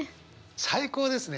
最高ですね。